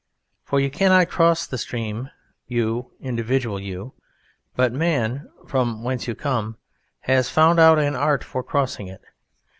For you cannot cross the stream, you Individual you; but Man (from whence you come) has found out an art for crossing it.